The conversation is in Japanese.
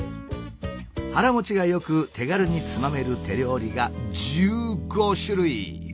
腹もちが良く手軽につまめる手料理が１５種類。